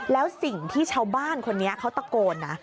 แล้วสิ่งที่ชาวบ้านคนนี้เขาตะโกนนะ